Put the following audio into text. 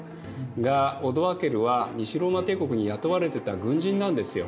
がオドアケルは西ローマ帝国に雇われてた軍人なんですよ。